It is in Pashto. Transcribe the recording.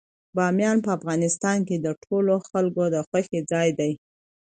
بامیان په افغانستان کې د ټولو خلکو د خوښې ځای دی.